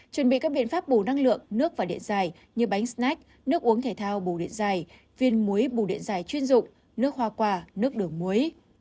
chuẩn bị các biện pháp bù năng lượng nước và điện dài như bánh snack nước uống thể thao bù điện dài viên muối bù điện dài chuyên dụng nước hoa quả nước đầu mối